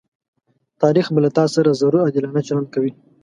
تاريخ به له تاسره ضرور عادلانه چلند کوي.